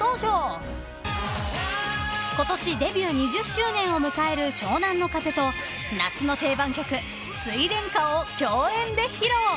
［ことしデビュー２０周年を迎える湘南乃風と夏の定番曲『睡蓮花』を共演で披露］